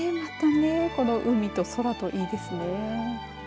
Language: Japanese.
海と空と、いいですね。